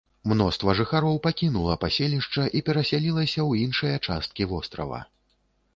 Мноства жыхароў пакінула паселішча і перасялілася ў іншыя часткі вострава.